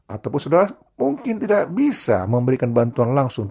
ataupun saudara mungkin tidak bisa memberikan bantuan langsung